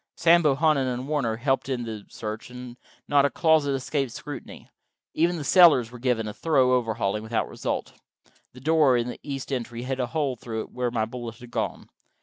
Sam Bohannon and Warner helped in the search, and not a closet escaped scrutiny. Even the cellars were given a thorough overhauling, without result. The door in the east entry had a hole through it where my bullet had gone.